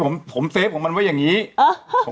เขียนว่าอะไรเนี่ย